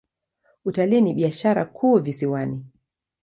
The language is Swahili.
Utalii ni biashara kuu visiwani.